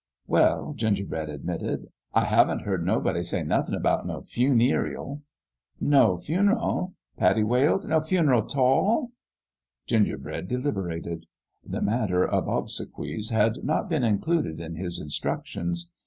"Well," Gingerbread admitted, "I haven't heard nobody say nothin' about no funeerial." " No fun'l? " Pattie wailed. " No fun'l & talL ?" Gingerbread deliberated. The matter of ob sequies had not been included in his instructions.